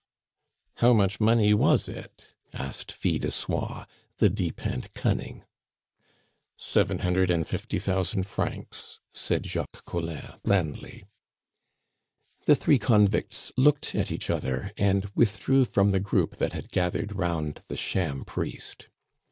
"How much money was it?" asked Fil de Soie, the deep and cunning. "Seven hundred and fifty thousand francs," said Jacques Collin blandly. The three convicts looked at each other and withdrew from the group that had gathered round the sham priest.